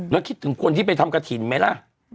แล้วคิดถึงคนที่ไปทำกระถิ่นไหมล่ะ